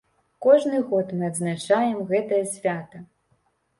Кожны год мы адзначаем гэтае свята.